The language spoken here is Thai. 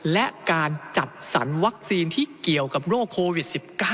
และการจัดสรรวัคซีนที่เกี่ยวกับโรคโควิด๑๙